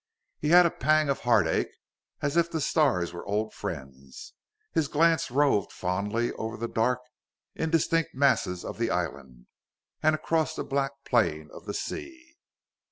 He had a pang of heartache, as if the stars were old friends. His glance roved fondly over the dark, indistinct masses of the island, and across the black plain of the sea.